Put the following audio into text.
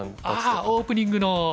ああオープニングの。